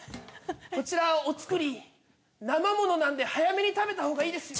こちらお造り生ものなんで早めに食べたほうがいいですよ。